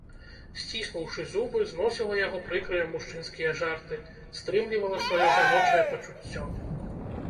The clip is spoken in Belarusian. Сціснуўшы зубы зносіла яго прыкрыя мужчынскія жарты, стрымлівала сваё жаночае пачуццё.